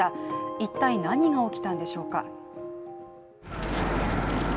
一体何が起きたんでしょうか。